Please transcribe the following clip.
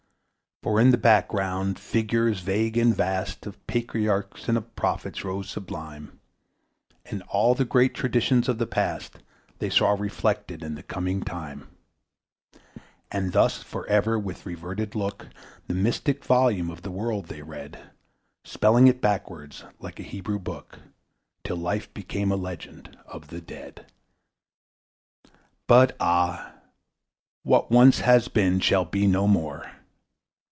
For in the background figures vague and vast Of patriarchs and of prophets rose sublime, And all the great traditions of the Past They saw reflected in the coming time. And thus for ever with reverted look The mystic volume of the world they read, Spelling it backward, like a Hebrew book, Till life became a Legend of the Dead. But ah! what once has been shall be no more!